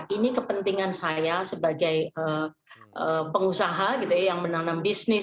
ini kepentingan saya sebagai pengusaha gitu ya yang menanam bisnis